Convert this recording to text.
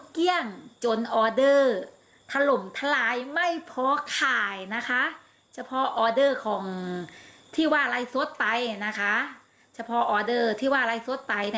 คลิปสองจัดมาเลยฮะ